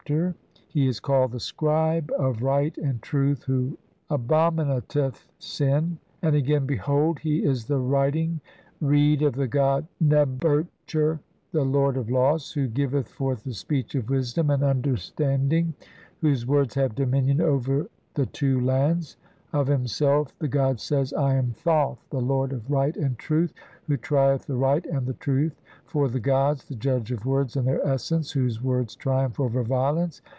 341) he is called the "scribe of right and truth who abo "minateth sin", and again, "Behold, he is the writing "reed of the god Neb er tcher, the lord of laws, who "giveth forth the speech of wisdom and understand ing, whose words have dominion over the two lands". LXXVI INTRODUCTION. Of himself the god says, "I am Thoth, the lord of "right and truth, who trieth the right and the truth "for the gods, the judge of words in their essence, "whose words triumph over violence